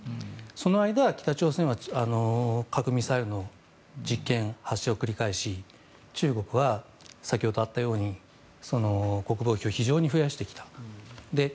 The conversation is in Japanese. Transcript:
その間、北朝鮮は核・ミサイルの実験、発射を繰り返し中国は先ほどあったように国防費を非常に増やしてきた。